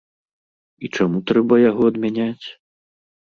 І чаму трэба яго адмяняць?